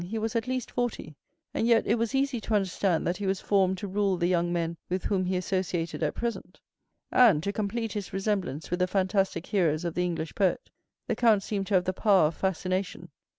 He was at least forty; and yet it was easy to understand that he was formed to rule the young men with whom he associated at present. And, to complete his resemblance with the fantastic heroes of the English poet, the count seemed to have the power of fascination.